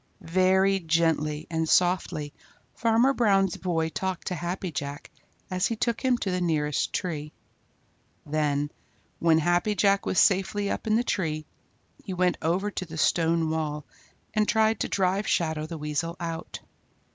Very gently and softly Farmer Brown's boy talked to Happy Jack as he took him to the nearest tree. Then, when Happy Jack was safely up in the tree, he went over to the stone wall and tried to drive Shadow the Weasel out.